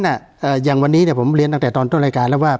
อย่างวันนี้เนี่ยผมเรียนตั้งแต่ตอนต้นรายการแล้วว่า